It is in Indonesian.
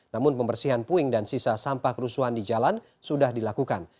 namun pembersihan puing dan sisa sampah kerusuhan di jalan sudah dilakukan